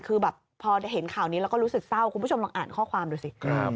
คือแบบพอเห็นข่าวนี้แล้วก็รู้สึกเศร้าคุณผู้ชมลองอ่านข้อความดูสิ